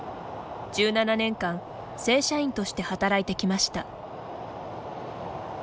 １７年間、正社員として働いてきました。